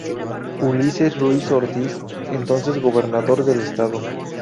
Ulises Ruiz Ortiz, entonces gobernador del estado.